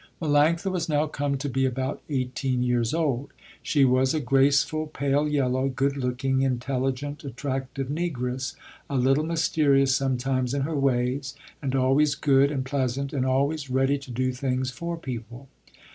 Melanctha was now come to be about eighteen years old. She was a graceful, pale yellow, good looking, intelligent, attractive negress, a little mysterious sometimes in her ways, and always good and pleasant, and always ready to do things for people.